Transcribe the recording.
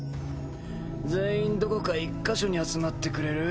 全員どこか１か所に集まってくれる？